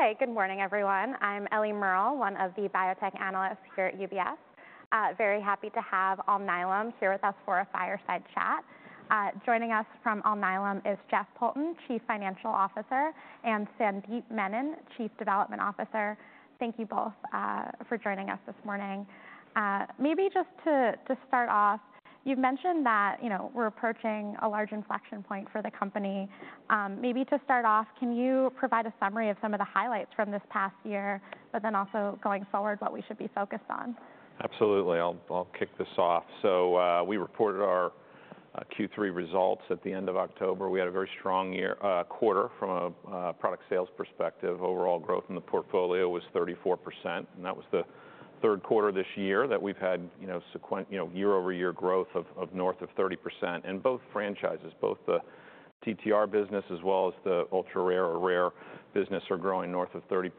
Hi, good morning, everyone. I'm Ellie Merle, one of the biotech analysts here at UBS. Very happy to have Alnylam here with us for a fireside chat. Joining us from Alnylam is Jeff Poulton, Chief Financial Officer; and Sandeep Menon, Chief Development Officer. Thank you both for joining us this morning. Maybe just to start off, you've mentioned that we're approaching a large inflection point for the company. Maybe to start off, can you provide a summary of some of the highlights from this past year, but then also going forward, what we should be focused on? Absolutely. I'll kick this off. So we reported our Q3 results at the end of October. We had a very strong quarter from a product sales perspective. Overall growth in the portfolio was 34%. And that was the third quarter of this year that we've had year-over-year growth of north of 30%. And both franchises, both the TTR business as well as the ultra-rare or rare business, are growing north of 30%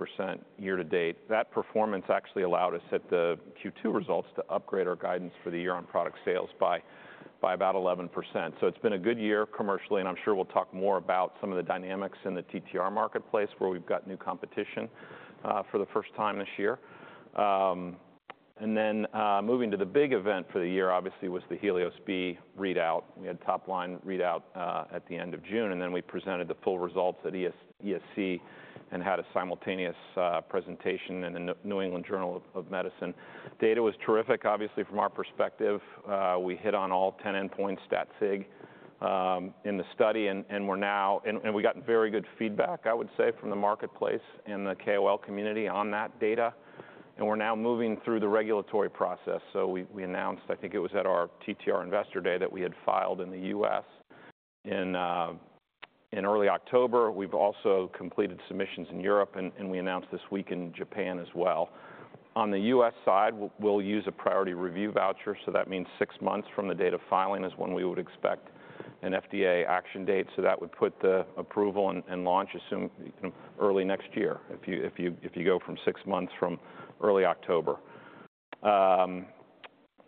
year to date. That performance actually allowed us at the Q2 results to upgrade our guidance for the year on product sales by about 11%. So it's been a good year commercially. And I'm sure we'll talk more about some of the dynamics in the TTR marketplace, where we've got new competition for the first time this year. And then moving to the big event for the year, obviously, was the HELIOS-B readout. We had top-line readout at the end of June, and then we presented the full results at ESC and had a simultaneous presentation in the New England Journal of Medicine. Data was terrific, obviously, from our perspective. We hit on all 10 endpoints, stat sig in the study, and we got very good feedback, I would say, from the marketplace and the KOL community on that data. We're now moving through the regulatory process. We announced, I think it was at our TTR Investor Day, that we had filed in the U.S. in early October. We've also completed submissions in Europe, and we announced this week in Japan as well. On the U.S. side, we'll use a priority review voucher. That means six months from the date of filing is when we would expect an FDA action date. That would put the approval and launch early next year if you go from six months from early October.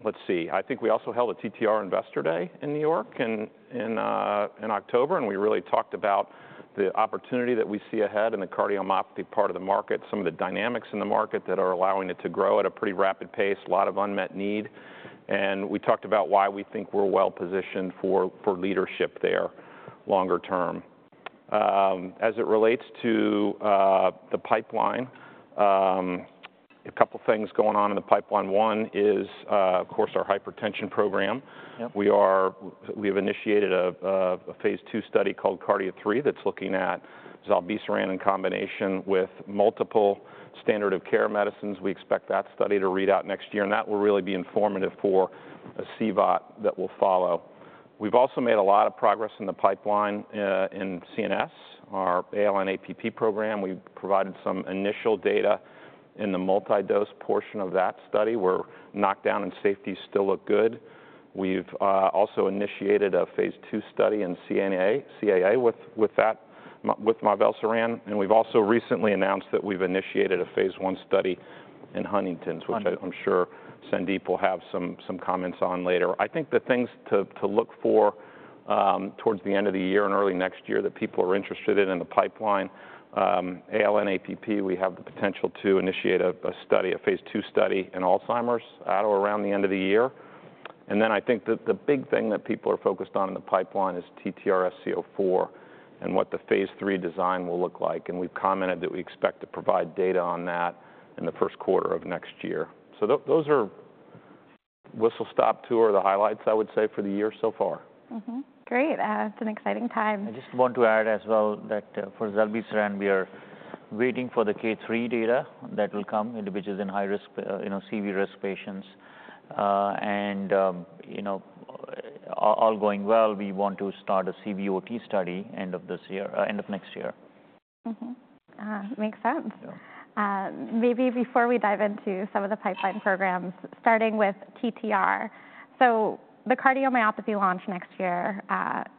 Let's see. I think we also held a TTR Investor Day in New York in October. We really talked about the opportunity that we see ahead in the cardiomyopathy part of the market, some of the dynamics in the market that are allowing it to grow at a pretty rapid pace, a lot of unmet need. We talked about why we think we're well-positioned for leadership there longer term. As it relates to the pipeline, a couple of things going on in the pipeline. One is, of course, our hypertension program. We have initiated a phase II study called KARDIA-3 that's looking at zilebesiran in combination with multiple standard of care medicines. We expect that study to read out next year. That will really be informative for a CVOT that will follow. We've also made a lot of progress in the pipeline in CNS, our ALN-APP program. We provided some initial data in the multi-dose portion of that study where knockdown and safety still look good. We've also initiated a phase II study in CAA with mivelsiran. We've also recently announced that we've initiated a phase I study in Huntington's, which I'm sure Sandeep will have some comments on later. I think the things to look for towards the end of the year and early next year that people are interested in in the pipeline, ALN-APP, we have the potential to initiate a study, a phase II study in Alzheimer's at or around the end of the year. And then I think the big thing that people are focused on in the pipeline is TTRsc04 and what the phase III design will look like. And we've commented that we expect to provide data on that in the first quarter of next year. So those are whistle-stop tour of the highlights, I would say, for the year so far. Great. It's an exciting time. I just want to add as well that for zilebesiran, we are waiting for the KARDIA-3 data that will come in the patients in high-risk, CV risk patients, and all going well, we want to start a CVOT study end of next year. Makes sense. Maybe before we dive into some of the pipeline programs, starting with TTR. So the cardiomyopathy launch next year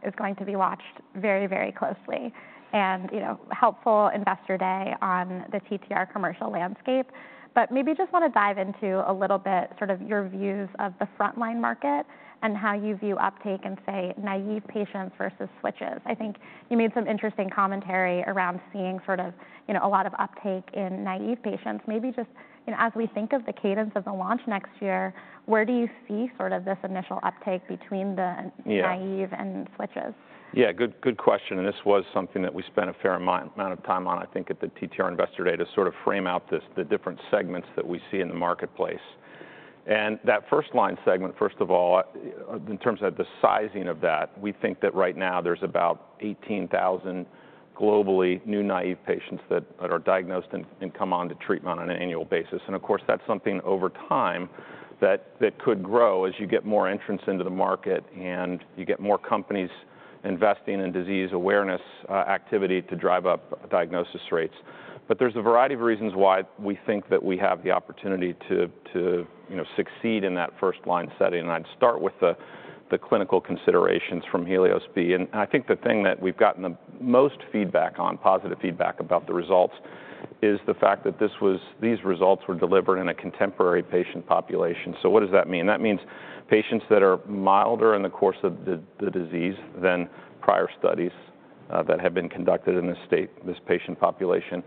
is going to be watched very, very closely. And helpful investor day on the TTR commercial landscape. But maybe just want to dive into a little bit sort of your views of the frontline market and how you view uptake in, say, naive patients versus switches. I think you made some interesting commentary around seeing sort of a lot of uptake in naive patients. Maybe just as we think of the cadence of the launch next year, where do you see sort of this initial uptake between the naive and switches? Yeah, good question. And this was something that we spent a fair amount of time on, I think, at the TTR Investor Day to sort of frame out the different segments that we see in the marketplace. And that first line segment, first of all, in terms of the sizing of that, we think that right now there's about 18,000 globally new naive patients that are diagnosed and come on to treatment on an annual basis. And of course, that's something over time that could grow as you get more entrants into the market and you get more companies investing in disease awareness activity to drive up diagnosis rates. But there's a variety of reasons why we think that we have the opportunity to succeed in that first line setting. And I'd start with the clinical considerations from HELIOS-B. I think the thing that we've gotten the most feedback on, positive feedback about the results, is the fact that these results were delivered in a contemporary patient population. So what does that mean? That means patients that are milder in the course of the disease than prior studies that have been conducted in this patient population.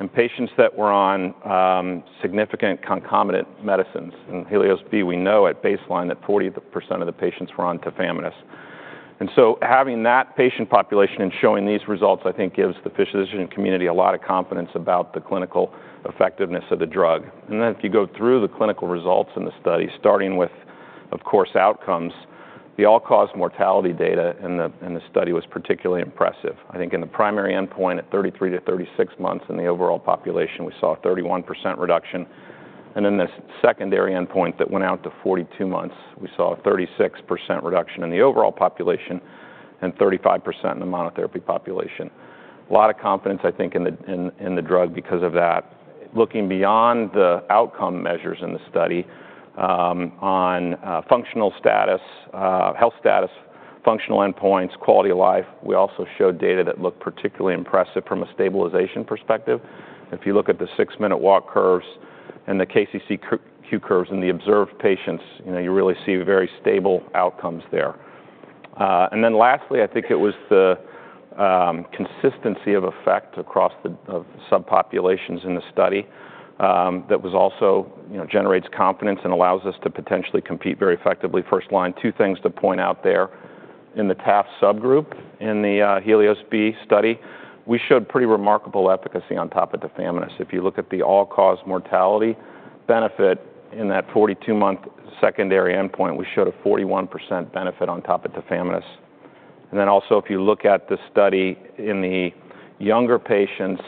And patients that were on significant concomitant medicines. In HELIOS-B, we know at baseline that 40% of the patients were on tafamidis. And so having that patient population and showing these results, I think, gives the physician community a lot of confidence about the clinical effectiveness of the drug. And then if you go through the clinical results in the study, starting with, of course, outcomes, the all-cause mortality data in the study was particularly impressive. I think in the primary endpoint at 33 to 36 months in the overall population, we saw a 31% reduction. And then the secondary endpoint that went out to 42 months, we saw a 36% reduction in the overall population and 35% in the monotherapy population. A lot of confidence, I think, in the drug because of that. Looking beyond the outcome measures in the study on functional status, health status, functional endpoints, quality of life, we also showed data that looked particularly impressive from a stabilization perspective. If you look at the six-minute walk curves and the KCCQ curves in the observed patients, you really see very stable outcomes there. And then lastly, I think it was the consistency of effect across the subpopulations in the study that also generates confidence and allows us to potentially compete very effectively first line. Two things to point out there. In the TAF subgroup in the HELIOS-B study, we showed pretty remarkable efficacy on top of tafamidis. If you look at the all-cause mortality benefit in that 42-month secondary endpoint, we showed a 41% benefit on top of tafamidis. And then also, if you look at the study in the younger patients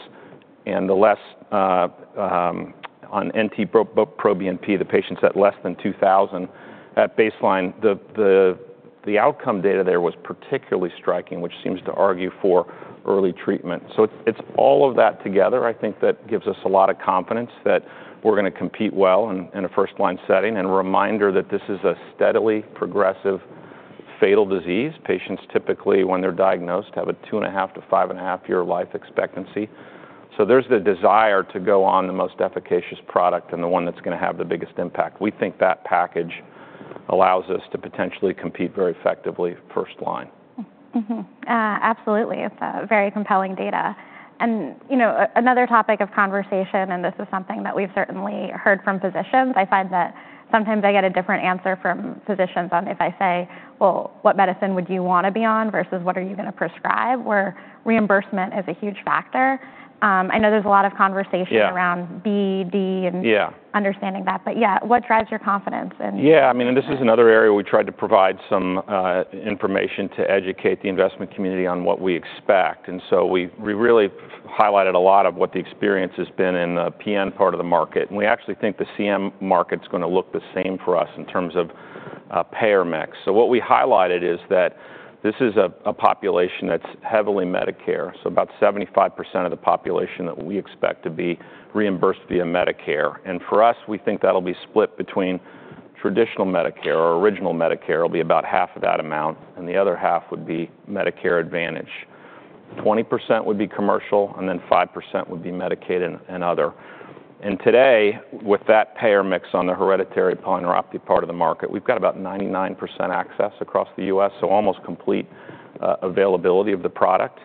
and the less on NT-proBNP, the patients at less than 2,000 at baseline, the outcome data there was particularly striking, which seems to argue for early treatment. So it's all of that together, I think, that gives us a lot of confidence that we're going to compete well in a first-line setting. And a reminder that this is a steadily progressive fatal disease. Patients typically, when they're diagnosed, have a two-and-a-half to five-and-a-half-year life expectancy. So there's the desire to go on the most efficacious product and the one that's going to have the biggest impact. We think that package allows us to potentially compete very effectively first line. Absolutely. It's very compelling data. And another topic of conversation, and this is something that we've certainly heard from physicians. I find that sometimes I get a different answer from physicians on if I say, well, what medicine would you want to be on versus what are you going to prescribe, where reimbursement is a huge factor. I know there's a lot of conversation around B, D, and understanding that. But yeah, what drives your confidence? Yeah. I mean, and this is another area we tried to provide some information to educate the investment community on what we expect. And so we really highlighted a lot of what the experience has been in the PN part of the market. And we actually think the CM market's going to look the same for us in terms of payer mix. So what we highlighted is that this is a population that's heavily Medicare. So about 75% of the population that we expect to be reimbursed via Medicare. And for us, we think that'll be split between traditional Medicare or original Medicare. It'll be about half of that amount. And the other half would be Medicare Advantage. 20% would be commercial, and then 5% would be Medicaid and other. And today, with that payer mix on the hereditary polyneuropathy part of the market, we've got about 99% access across the U.S., so almost complete availability of the product.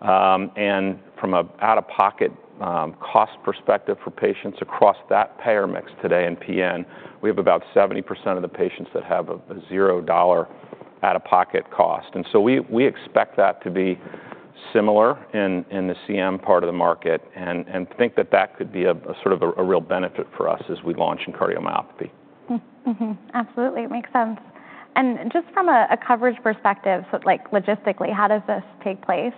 And from an out-of-pocket cost perspective for patients across that payer mix today in PN, we have about 70% of the patients that have a $0 out-of-pocket cost. And so we expect that to be similar in the CM part of the market. And I think that that could be sort of a real benefit for us as we launch in cardiomyopathy. Absolutely. It makes sense, and just from a coverage perspective, so logistically, how does this take place?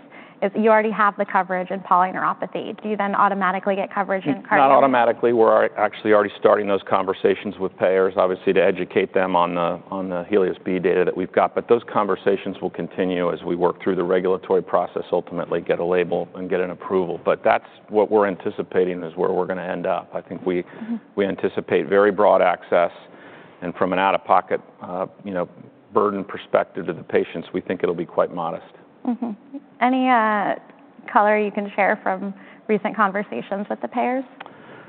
You already have the coverage in polyneuropathy. Do you then automatically get coverage in cardiomyopathy? Not automatically. We're actually already starting those conversations with payers, obviously, to educate them on the HELIOS-B data that we've got. But those conversations will continue as we work through the regulatory process, ultimately get a label and get an approval. But that's what we're anticipating is where we're going to end up. I think we anticipate very broad access. And from an out-of-pocket burden perspective to the patients, we think it'll be quite modest. Any color you can share from recent conversations with the payers?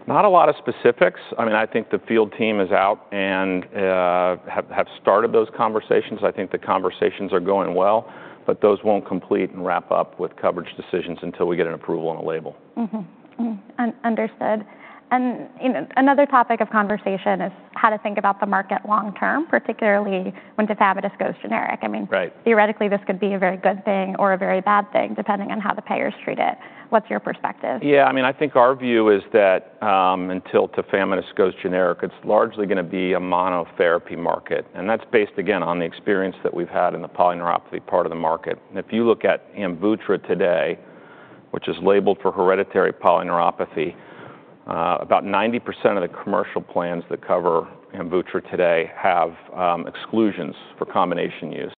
Not a lot of specifics. I mean, I think the field team is out and have started those conversations. I think the conversations are going well. But those won't complete and wrap up with coverage decisions until we get an approval and a label. Understood. And another topic of conversation is how to think about the market long term, particularly when tafamidis goes generic. I mean, theoretically, this could be a very good thing or a very bad thing, depending on how the payers treat it. What's your perspective? Yeah. I mean, I think our view is that until tafamidis goes generic, it's largely going to be a monotherapy market. And that's based, again, on the experience that we've had in the polyneuropathy part of the market. And if you look at Amvuttra today, which is labeled for hereditary polyneuropathy, about 90% of the commercial plans that cover Amvuttra today have exclusions for combination use.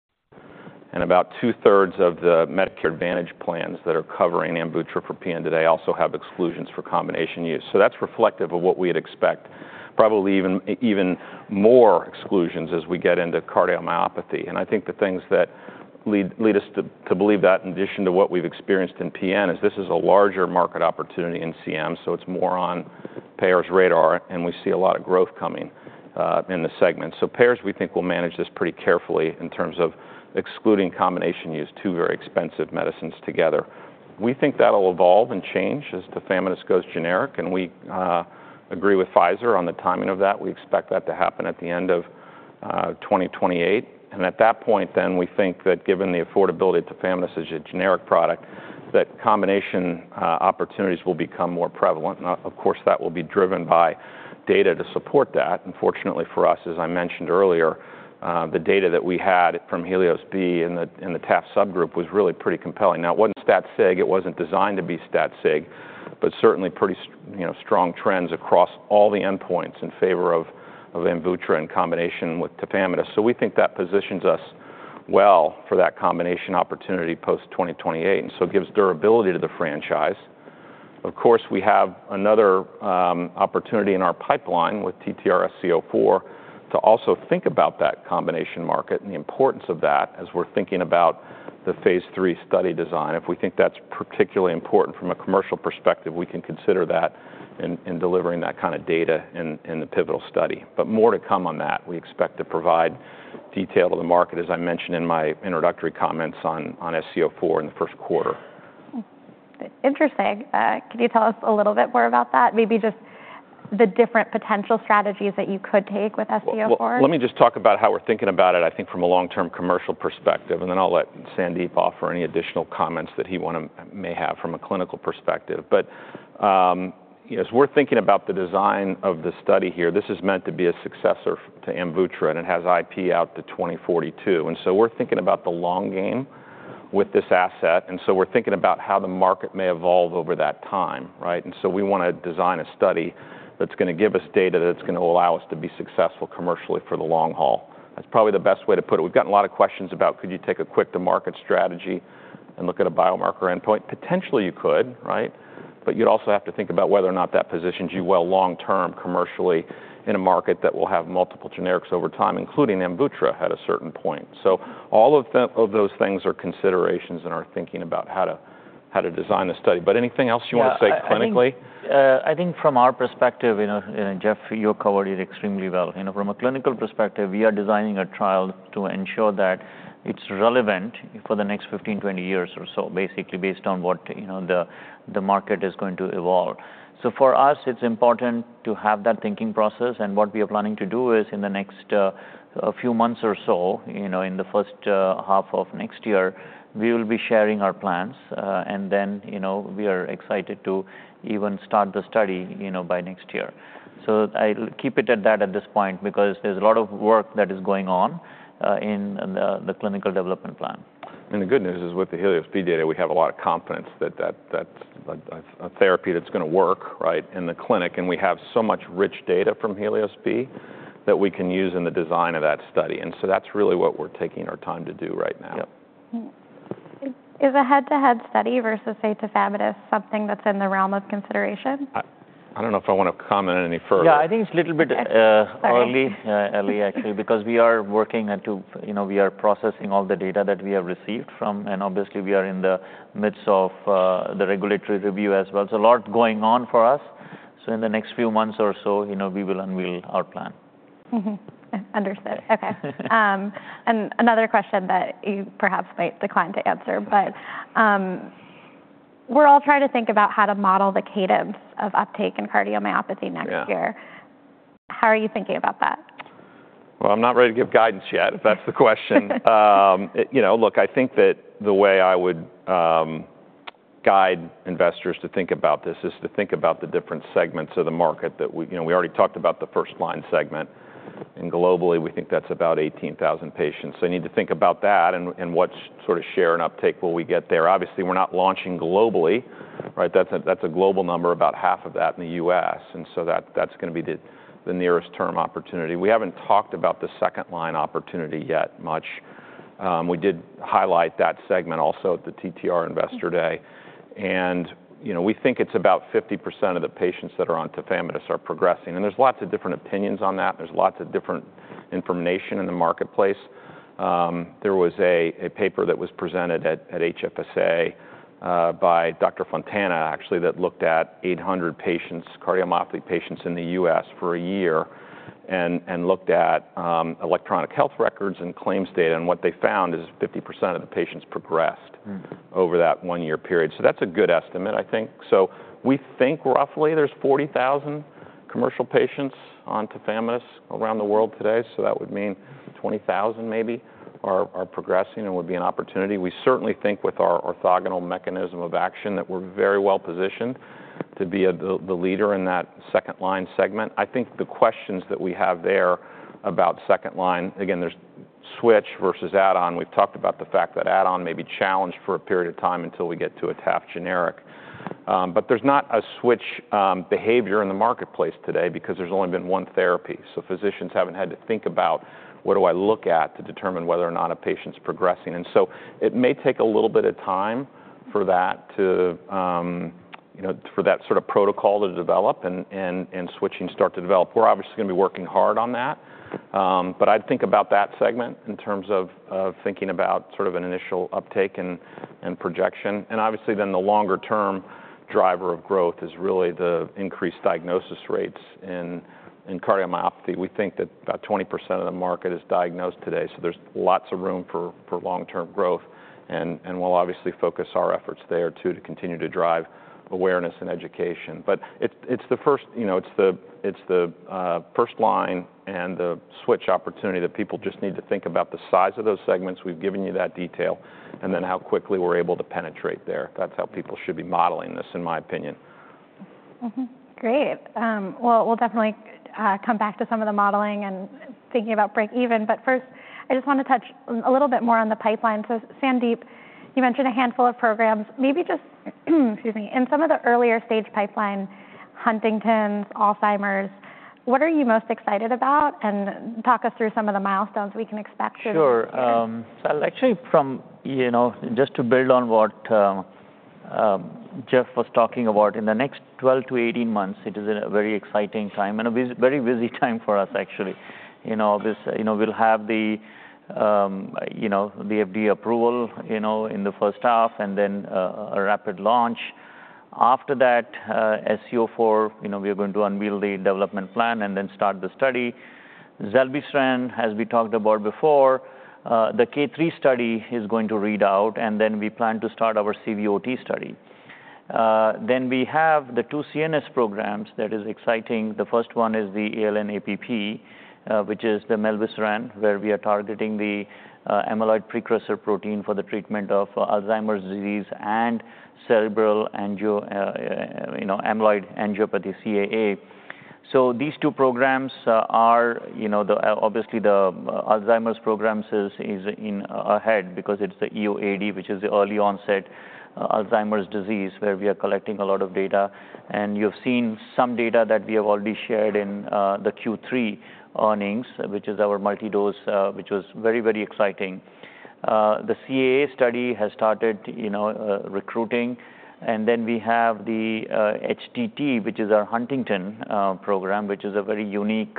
And about two-thirds of the Medicare Advantage plans that are covering Amvuttra for PN today also have exclusions for combination use. So that's reflective of what we'd expect, probably even more exclusions as we get into cardiomyopathy. And I think the things that lead us to believe that, in addition to what we've experienced in PN, is this is a larger market opportunity in CM. So it's more on payers' radar. And we see a lot of growth coming in the segment. Payers, we think, will manage this pretty carefully in terms of excluding combination use, two very expensive medicines together. We think that'll evolve and change as tafamidis goes generic. We agree with Pfizer on the timing of that. We expect that to happen at the end of 2028. At that point, we think that given the affordability of tafamidis as a generic product, that combination opportunities will become more prevalent. Of course, that will be driven by data to support that. Fortunately for us, as I mentioned earlier, the data that we had from HELIOS-B in the TAF subgroup was really pretty compelling. Now, it wasn't stat-sig. It wasn't designed to be stat-sig, but certainly pretty strong trends across all the endpoints in favor of Amvuttra in combination with tafamidis. We think that positions us well for that combination opportunity post-2028. And so it gives durability to the franchise. Of course, we have another opportunity in our pipeline with TTRsc04 to also think about that combination market and the importance of that as we're thinking about the phase III study design. If we think that's particularly important from a commercial perspective, we can consider that in delivering that kind of data in the pivotal study. But more to come on that. We expect to provide detail to the market, as I mentioned in my introductory comments on sc04 in the first quarter. Interesting. Could you tell us a little bit more about that? Maybe just the different potential strategies that you could take with sc04? Let me just talk about how we're thinking about it, I think, from a long-term commercial perspective, and then I'll let Sandeep offer any additional comments that he may have from a clinical perspective, but as we're thinking about the design of the study here, this is meant to be a successor to Amvuttra, and it has IP out to 2042, and so we're thinking about the long game with this asset, and so we're thinking about how the market may evolve over that time, and so we want to design a study that's going to give us data that's going to allow us to be successful commercially for the long haul. That's probably the best way to put it. We've gotten a lot of questions about, could you take a quick-to-market strategy and look at a biomarker endpoint? Potentially, you could. But you'd also have to think about whether or not that positions you well long-term commercially in a market that will have multiple generics over time, including Amvuttra at a certain point. So all of those things are considerations in our thinking about how to design the study. But anything else you want to say clinically? I think from our perspective, Jeff, you've covered it extremely well. From a clinical perspective, we are designing a trial to ensure that it's relevant for the next 15, 20 years or so, basically based on what the market is going to evolve. So for us, it's important to have that thinking process. And what we are planning to do is in the next few months or so, in the first half of next year, we will be sharing our plans. And then we are excited to even start the study by next year. So I'll keep it at that at this point because there's a lot of work that is going on in the clinical development plan. And the good news is with the HELIOS-B data, we have a lot of confidence that that's a therapy that's going to work in the clinic. And we have so much rich data from HELIOS-B that we can use in the design of that study. And so that's really what we're taking our time to do right now. Is a head-to-head study versus, say, tafamidis something that's in the realm of consideration? I don't know if I want to comment any further. Yeah. I think it's a little bit early, actually, because we are processing all the data that we have received from, and obviously, we are in the midst of the regulatory review as well. There's a lot going on for us, so in the next few months or so, we will unveil our plan. Understood. Okay, and another question that you perhaps might decline to answer, but we're all trying to think about how to model the cadence of uptake in cardiomyopathy next year. How are you thinking about that? I'm not ready to give guidance yet, if that's the question. Look, I think that the way I would guide investors to think about this is to think about the different segments of the market that we already talked about the first-line segment. And globally, we think that's about 18,000 patients. So you need to think about that and what sort of share and uptake will we get there. Obviously, we're not launching globally. That's a global number, about half of that in the U.S. And so that's going to be the nearest-term opportunity. We haven't talked about the second-line opportunity yet much. We did highlight that segment also at the TTR Investor Day. And we think it's about 50% of the patients that are on tafamidis are progressing. And there's lots of different opinions on that. There's lots of different information in the marketplace. There was a paper that was presented at HFSA by Dr. Fontana, actually, that looked at 800 cardiomyopathy patients in the U.S. for a year and looked at electronic health records and claims data, and what they found is 50% of the patients progressed over that one-year period, so that's a good estimate, I think, so we think roughly there's 40,000 commercial patients on tafamidis around the world today, so that would mean 20,000 maybe are progressing and would be an opportunity. We certainly think with our orthogonal mechanism of action that we're very well positioned to be the leader in that second-line segment. I think the questions that we have there about second-line, again, there's switch versus add-on. We've talked about the fact that add-on may be challenged for a period of time until we get to a TAF generic. But there's not a switch behavior in the marketplace today because there's only been one therapy. So physicians haven't had to think about, what do I look at to determine whether or not a patient's progressing? And so it may take a little bit of time for that sort of protocol to develop and switching start to develop. We're obviously going to be working hard on that. But I'd think about that segment in terms of thinking about sort of an initial uptake and projection. And obviously, then the longer-term driver of growth is really the increased diagnosis rates in cardiomyopathy. We think that about 20% of the market is diagnosed today. So there's lots of room for long-term growth. And we'll obviously focus our efforts there too to continue to drive awareness and education. But it's the first-line and the switch opportunity that people just need to think about the size of those segments. We've given you that detail. And then how quickly we're able to penetrate there. That's how people should be modeling this, in my opinion. Great. Well, we'll definitely come back to some of the modeling and thinking about break-even. But first, I just want to touch a little bit more on the pipeline. So Sandeep, you mentioned a handful of programs. Maybe just, excuse me, in some of the earlier-stage pipeline, Huntington's, Alzheimer's, what are you most excited about? And talk us through some of the milestones we can expect to. Sure, so actually, just to build on what Jeff was talking about, in the next 12 to 18 months, it is a very exciting time, and a very busy time for us, actually. We'll have the FDA approval in the first half and then a rapid launch. After that, sc04, we are going to unveil the development plan and then start the study. Zilebesiran, as we talked about before, the K3 study is going to read out, and then we plan to start our CVOT study, then we have the two CNS programs that are exciting. The first one is the ALN-APP, which is the mivelsiran, where we are targeting the amyloid precursor protein for the treatment of Alzheimer's disease and cerebral amyloid angiopathy, CAA. These two programs are obviously the Alzheimer's program is ahead because it's the EOAD, which is the early-onset Alzheimer's disease, where we are collecting a lot of data, and you've seen some data that we have already shared in the Q3 earnings, which is our multi-dose, which was very, very exciting. The CAA study has started recruiting, and then we have the HTT, which is our Huntington program, which is a very unique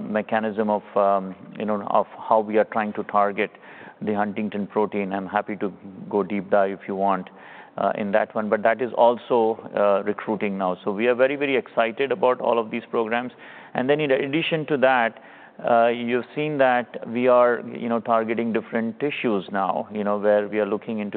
mechanism of how we are trying to target the Huntington protein. I'm happy to go deep dive if you want in that one, but that is also recruiting now, so we are very, very excited about all of these programs. And then in addition to that, you've seen that we are targeting different tissues now, where we are looking at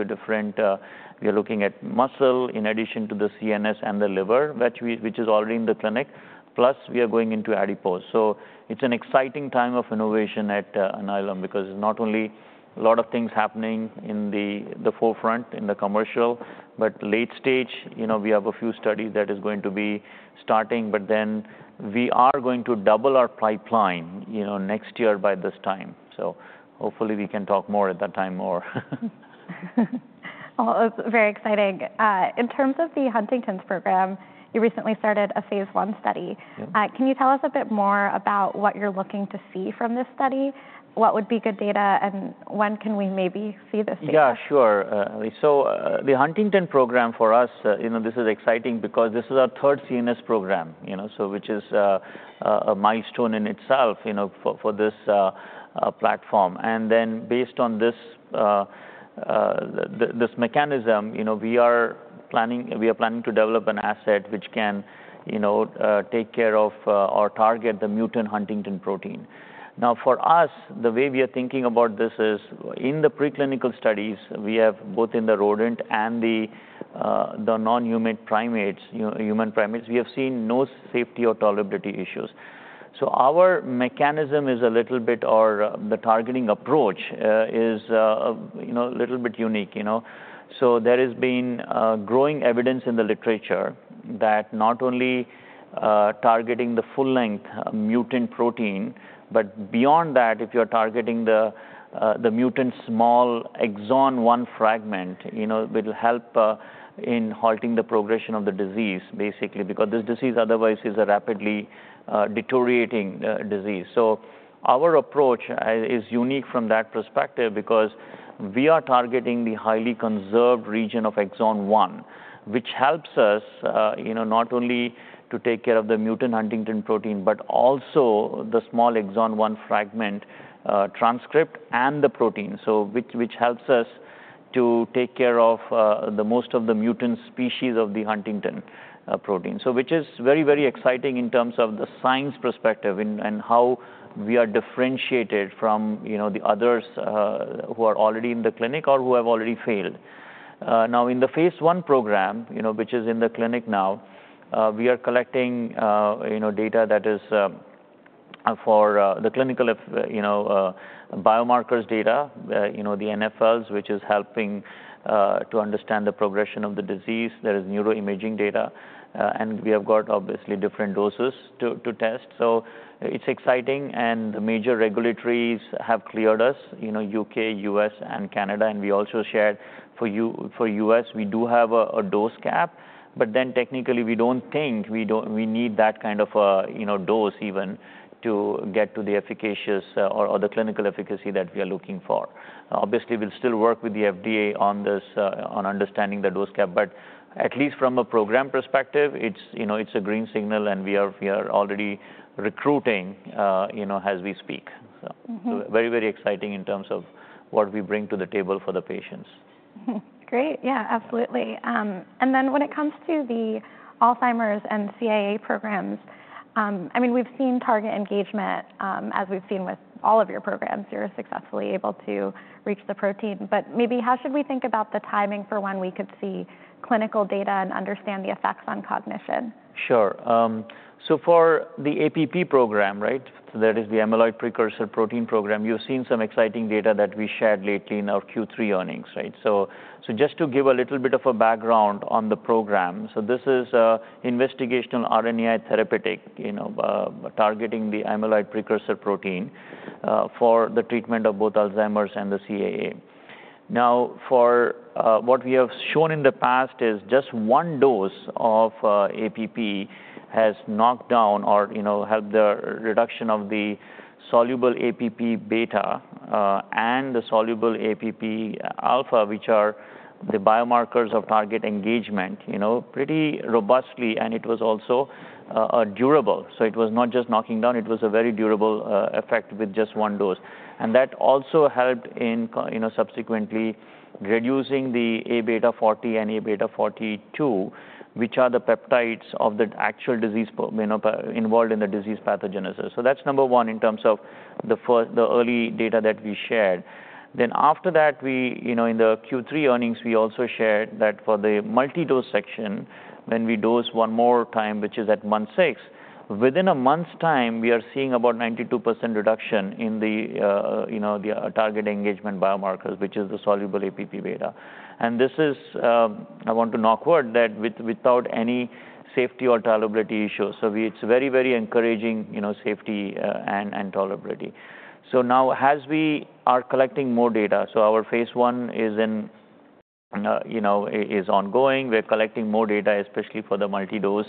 muscle in addition to the CNS and the liver, which is already in the clinic. Plus, we are going into adipose. So it's an exciting time of innovation at Alnylam because there's not only a lot of things happening in the forefront in the commercial, but late-stage, we have a few studies that are going to be starting. But then we are going to double our pipeline next year by this time. So hopefully, we can talk more at that time or. It's very exciting. In terms of the Huntington's program, you recently started a phase I study. Can you tell us a bit more about what you're looking to see from this study? What would be good data? And when can we maybe see this data? Yeah, sure. So the Huntington program for us, this is exciting because this is our third CNS program, which is a milestone in itself for this platform. And then based on this mechanism, we are planning to develop an asset which can take care of or target the mutant Huntington protein. Now, for us, the way we are thinking about this is in the preclinical studies, we have both in the rodent and the non-human primates, human primates, we have seen no safety or tolerability issues. So our mechanism is a little bit or the targeting approach is a little bit unique. So there has been growing evidence in the literature that not only targeting the full-length mutant protein, but beyond that, if you're targeting the mutant small exon 1 fragment, it will help in halting the progression of the disease, basically, because this disease otherwise is a rapidly deteriorating disease. So our approach is unique from that perspective because we are targeting the highly conserved region of exon 1, which helps us not only to take care of the mutant Huntington protein, but also the small exon 1 fragment transcript and the protein, which helps us to take care of most of the mutant species of the Huntington protein, which is very, very exciting in terms of the science perspective and how we are differentiated from the others who are already in the clinic or who have already failed. Now, in the phase I program, which is in the clinic now, we are collecting data that is for the clinical biomarkers data, the NfLs, which is helping to understand the progression of the disease. There is neuroimaging data, and we have got, obviously, different doses to test. So it's exciting, and the major regulators have cleared us, U.K., U.S., and Canada. And we also shared for U.S., we do have a dose cap. But then technically, we don't think we need that kind of dose even to get to the efficacious or the clinical efficacy that we are looking for. Obviously, we'll still work with the FDA on understanding the dose cap. But at least from a program perspective, it's a green signal, and we are already recruiting as we speak. So very, very exciting in terms of what we bring to the table for the patients. Great. Yeah, absolutely. And then when it comes to the Alzheimer's and CAA programs, I mean, we've seen target engagement as we've seen with all of your programs. You're successfully able to reach the protein. But maybe how should we think about the timing for when we could see clinical data and understand the effects on cognition? Sure. So for the APP program, right, that is the amyloid precursor protein program, you've seen some exciting data that we shared lately in our Q3 earnings, so just to give a little bit of a background on the program, so this is an investigational RNAi therapeutic targeting the amyloid precursor protein for the treatment of both Alzheimer's and the CAA. Now, for what we have shown in the past is just one dose of APP has knocked down or helped the reduction of the soluble APP beta and the soluble APP alpha, which are the biomarkers of target engagement, pretty robustly, and it was also durable, so it was not just knocking down. It was a very durable effect with just one dose. That also helped in subsequently reducing the Aβ40 and Aβ42, which are the peptides of the actual disease involved in the disease pathogenesis. So that's number one in terms of the early data that we shared. Then after that, in the Q3 earnings, we also shared that for the multi-dose section, when we dose one more time, which is at month six, within a month's time, we are seeing about 92% reduction in the target engagement biomarkers, which is the soluble APPβ. And this is, I want to knock on wood, that without any safety or tolerability issues. So it's very, very encouraging safety and tolerability. So now, as we are collecting more data, so our phase I is ongoing. We're collecting more data, especially for the multi-dose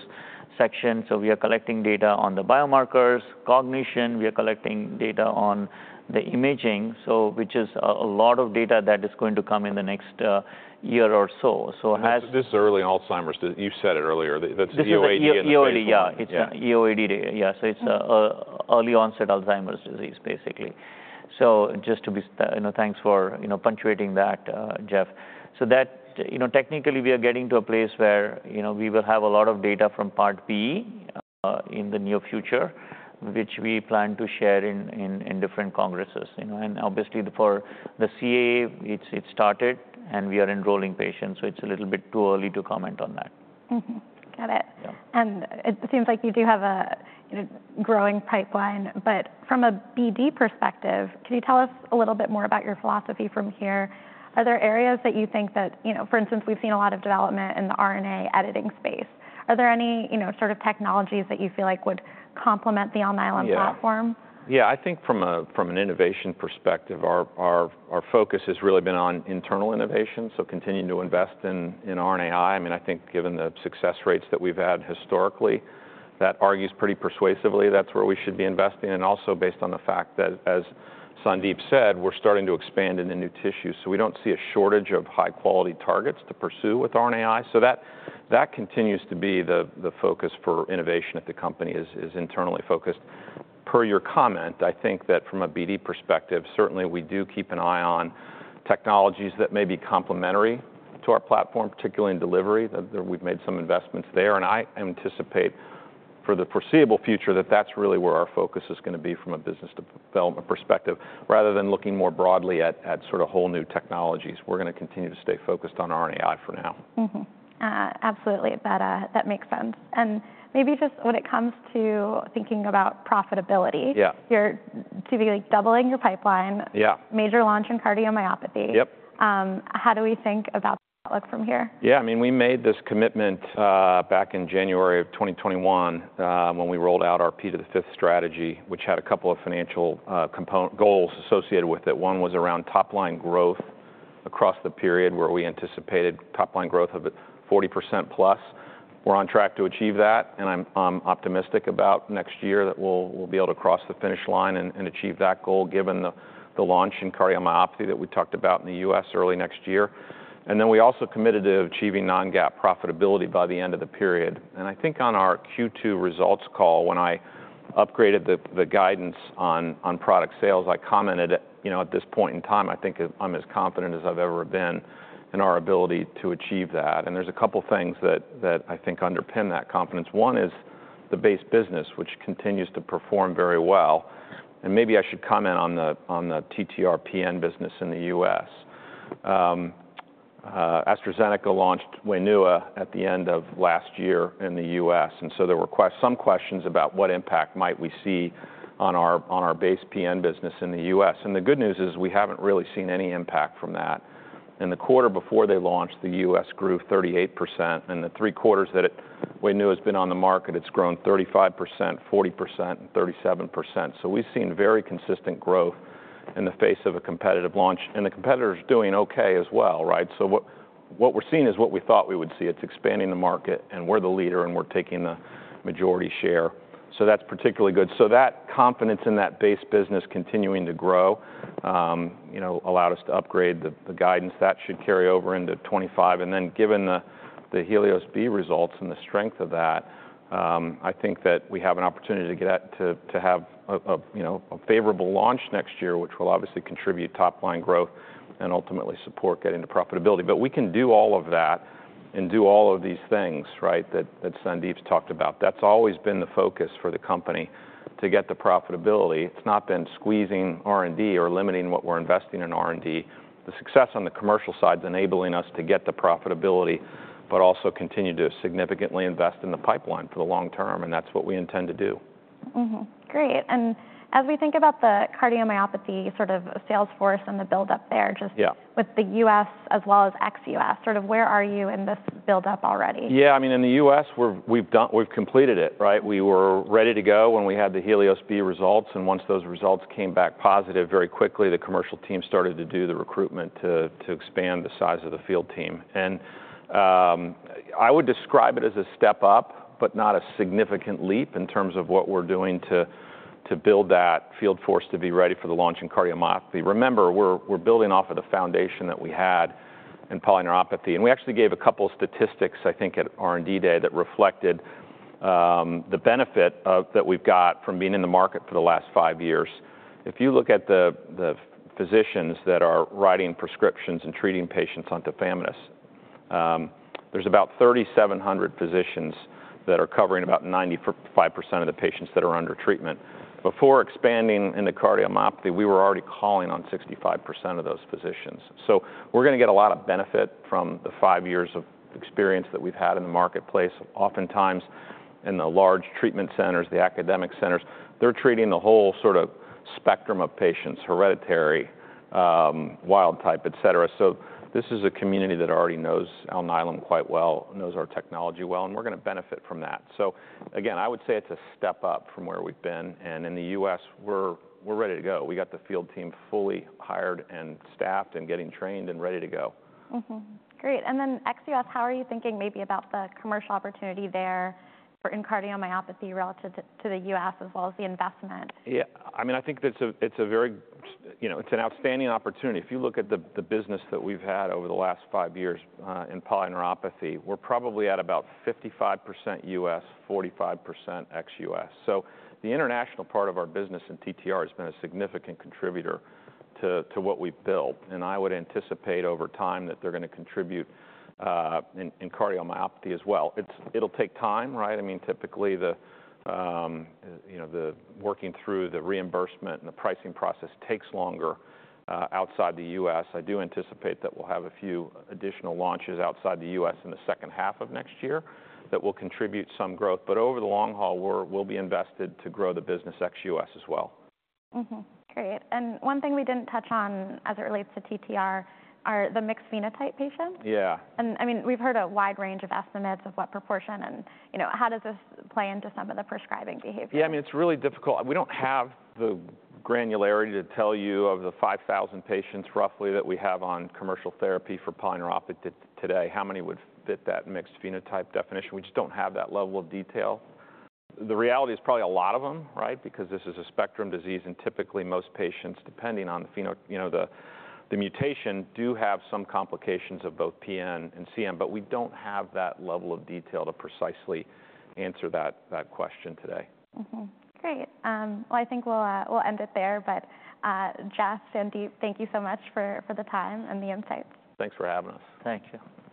section. So we are collecting data on the biomarkers, cognition. We are collecting data on the imaging, which is a lot of data that is going to come in the next year or so. So. This early Alzheimer's, you said it earlier, that's EOAD and. EOAD, yeah. Yeah, so it's early-onset Alzheimer's disease, basically. So just to be clear, thanks for punctuating that, Jeff. So technically, we are getting to a place where we will have a lot of data from Part B in the near future, which we plan to share in different congresses. And obviously, for the CAA, it started. And we are enrolling patients. So it's a little bit too early to comment on that. Got it. And it seems like you do have a growing pipeline. But from a BD perspective, can you tell us a little bit more about your philosophy from here? Are there areas that you think that, for instance, we've seen a lot of development in the RNA editing space? Are there any sort of technologies that you feel like would complement the Alnylam platform? Yeah, I think from an innovation perspective, our focus has really been on internal innovation, so continuing to invest in RNAi. I mean, I think given the success rates that we've had historically, that argues pretty persuasively that's where we should be investing. And also based on the fact that, as Sandeep said, we're starting to expand into new tissues. So we don't see a shortage of high-quality targets to pursue with RNAi. So that continues to be the focus for innovation at the company is internally focused. Per your comment, I think that from a BD perspective, certainly, we do keep an eye on technologies that may be complementary to our platform, particularly in delivery. We've made some investments there. I anticipate for the foreseeable future that that's really where our focus is going to be from a business development perspective, rather than looking more broadly at sort of whole new technologies. We're going to continue to stay focused on RNAi for now. Absolutely. That makes sense, and maybe just when it comes to thinking about profitability, you're typically doubling your pipeline, major launch in cardiomyopathy. How do we think about that look from here? Yeah, I mean, we made this commitment back in January of 2021 when we rolled out our P5 strategy, which had a couple of financial goals associated with it. One was around top-line growth across the period where we anticipated top-line growth of 40%+. We're on track to achieve that. And I'm optimistic about next year that we'll be able to cross the finish line and achieve that goal, given the launch in cardiomyopathy that we talked about in the U.S. early next year. And then we also committed to achieving non-GAAP profitability by the end of the period. And I think on our Q2 results call, when I upgraded the guidance on product sales, I commented at this point in time, I think I'm as confident as I've ever been in our ability to achieve that. There's a couple of things that I think underpin that confidence. One is the base business, which continues to perform very well. And maybe I should comment on the TTRPN business in the U.S. AstraZeneca launched Wainua at the end of last year in the U.S. And so there were some questions about what impact might we see on our base PN business in the U.S. And the good news is we haven't really seen any impact from that. In the quarter before they launched, the U.S. grew 38%. And the three quarters that Wainua has been on the market, it's grown 35%, 40%, and 37%. So we've seen very consistent growth in the face of a competitive launch. And the competitor is doing OK as well. So what we're seeing is what we thought we would see. It's expanding the market. And we're the leader. We're taking the majority share. That's particularly good. That confidence in that base business continuing to grow allowed us to upgrade the guidance. That should carry over into 2025. Given the HELIOS-B results and the strength of that, I think that we have an opportunity to have a favorable launch next year, which will obviously contribute top-line growth and ultimately support getting to profitability. We can do all of that and do all of these things that Sandeep's talked about. That's always been the focus for the company to get the profitability. It's not been squeezing R&D or limiting what we're investing in R&D. The success on the commercial side is enabling us to get the profitability, but also continue to significantly invest in the pipeline for the long term. That's what we intend to do. Great. And as we think about the cardiomyopathy sort of sales force and the buildup there, just with the U.S. as well as ex-U.S., sort of where are you in this buildup already? Yeah, I mean, in the U.S., we've completed it. We were ready to go when we had the HELIOS-B results. And once those results came back positive, very quickly, the commercial team started to do the recruitment to expand the size of the field team. And I would describe it as a step up, but not a significant leap in terms of what we're doing to build that field force to be ready for the launch in cardiomyopathy. Remember, we're building off of the foundation that we had in polyneuropathy. And we actually gave a couple of statistics, I think, at R&D Day that reflected the benefit that we've got from being in the market for the last five years. If you look at the physicians that are writing prescriptions and treating patients on tafamidis, there's about 3,700 physicians that are covering about 95% of the patients that are under treatment. Before expanding into cardiomyopathy, we were already calling on 65% of those physicians, so we're going to get a lot of benefit from the five years of experience that we've had in the marketplace. Oftentimes, in the large treatment centers, the academic centers, they're treating the whole sort of spectrum of patients, hereditary, wild type, et cetera, so this is a community that already knows Alnylam quite well, knows our technology well, and we're going to benefit from that, so again, I would say it's a step up from where we've been, and in the U.S., we're ready to go. We got the field team fully hired and staffed and getting trained and ready to go. Great. And then ex-U.S., how are you thinking maybe about the commercial opportunity there in cardiomyopathy relative to the U.S., as well as the investment? Yeah, I mean, I think it's a very outstanding opportunity. If you look at the business that we've had over the last five years in polyneuropathy, we're probably at about 55% U.S., 45% ex-U.S. So the international part of our business in TTR has been a significant contributor to what we've built. And I would anticipate over time that they're going to contribute in cardiomyopathy as well. It'll take time. I mean, typically, the working through the reimbursement and the pricing process takes longer outside the U.S. I do anticipate that we'll have a few additional launches outside the U.S. in the second half of next year that will contribute some growth. But over the long haul, we'll be invested to grow the business ex-U.S. as well. Great. And one thing we didn't touch on as it relates to TTR are the mixed phenotype patients. Yeah. And I mean, we've heard a wide range of estimates of what proportion. And how does this play into some of the prescribing behavior? Yeah, I mean, it's really difficult. We don't have the granularity to tell you of the 5,000 patients roughly that we have on commercial therapy for polyneuropathy today, how many would fit that mixed phenotype definition. We just don't have that level of detail. The reality is probably a lot of them, because this is a spectrum disease. And typically, most patients, depending on the mutation, do have some complications of both PN and CM. But we don't have that level of detail to precisely answer that question today. Great. Well, I think we'll end it there. But Jeff, Sandeep, thank you so much for the time and the insights. Thanks for having us. Thank you.